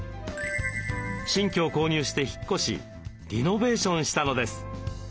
新居を購入して引っ越しリノベーションしたのです。